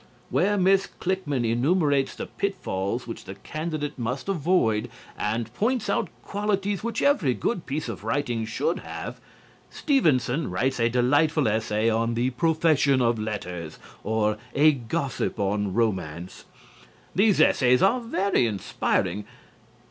Where Miss Klickmann enumerates the pitfalls which the candidate must avoid and points out qualities which every good piece of writing should have, Stevenson writes a delightful essay on "The Profession of Letters" or "A Gossip on Romance." These essays are very inspiring.